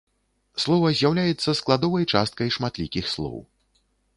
Слова з'яўляецца складовай часткай шматлікіх слоў.